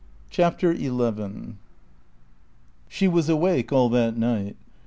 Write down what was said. CHAPTER ELEVEN She was awake all that night.